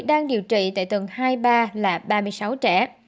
đang điều trị tại tầng hai ba là ba mươi sáu trẻ